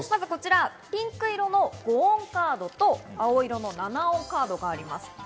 ピンク色の５音カードと青色の７音カードがあります。